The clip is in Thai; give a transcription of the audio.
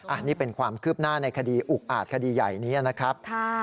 อันนี้เป็นความคืบหน้าในคดีอุกอาจคดีใหญ่นี้นะครับ